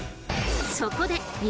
そこで！